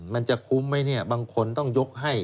มันจะคุ้มไหมเนี่ยบางคนต้องยกให้